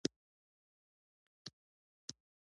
په ټولو مواردو کې کمونېزم بې رحمه دیکتاتورۍ له ځان سره درلود.